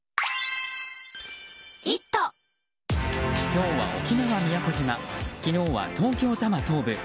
今日は沖縄・宮古島昨日は東京都の東部。